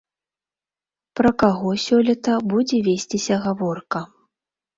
Пра каго сёлета будзе весціся гаворка?